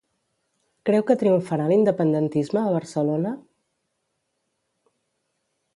Creu que triomfarà l'independentisme a Barcelona?